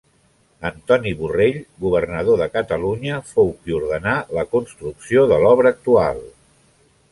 Antoni Borrell, Governador de Catalunya, fou qui ordenà la construcció de l'obra actual.